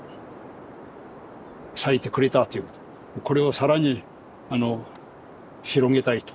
これを更に広げたいと。